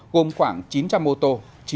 gồm khoảng chín trăm linh mô tô